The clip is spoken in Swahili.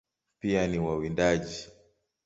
Pia ni wawindaji.